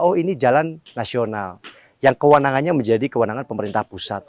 oh ini jalan nasional yang kewenangannya menjadi kewenangan pemerintah pusat